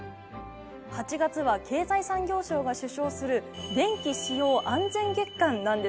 ８月は経済産業省が主唱する「電気使用安全月間」なんですね。